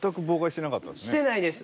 してないです。